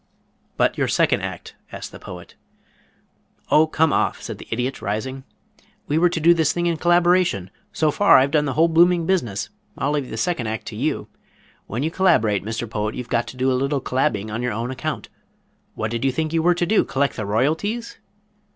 "But your second act?" asked the Poet. "Oh, come off," said the Idiot rising. "We were to do this thing in collaboration. So far I've done the whole blooming business. I'll leave the second act to you. When you collaborate, Mr. Poet, you've got to do a little collabbing on your own account. What did you think you were to do collect the royalties?"